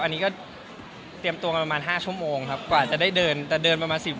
อันนี้ก็เตรียมตัวกันประมาณ๕ชั่วโมงครับกว่าจะได้เดินแต่เดินประมาณสิบ